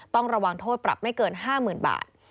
ต้องระวังโทษปรับไม่เกิน๕๐๐๐บาท